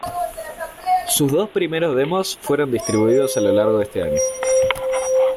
Sus dos primeros demos fueron distribuidos a lo largo de este año.